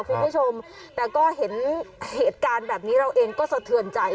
คุณผู้ชมแต่ก็เห็นเหตุการณ์แบบนี้เราเองก็สะเทือนใจ